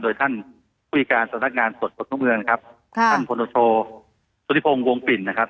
โดยท่านคุยการสนักงานส่วนสนุกเมืองนะครับท่านพนโชว์สุริพงศ์วงปิ่นนะครับ